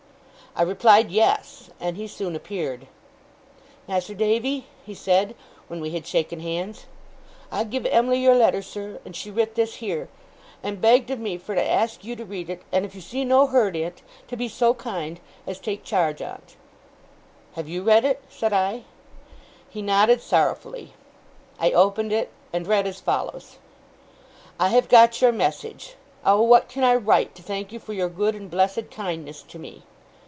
I replied yes, and he soon appeared. 'Mas'r Davy,' he said, when we had shaken hands, 'I giv Em'ly your letter, sir, and she writ this heer; and begged of me fur to ask you to read it, and if you see no hurt in't, to be so kind as take charge on't.' 'Have you read it?' said I. He nodded sorrowfully. I opened it, and read as follows: 'I have got your message. Oh, what can I write, to thank you for your good and blessed kindness to me!